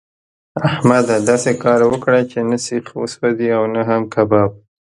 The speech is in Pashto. احمده! داسې کار وکړه چې نه سيخ وسوځي او نه هم کباب.